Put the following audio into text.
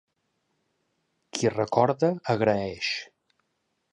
Qui recorda agraeix.